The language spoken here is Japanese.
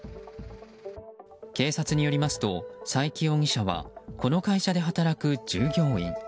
警察によりますと佐伯容疑者はこの会社で働く従業員。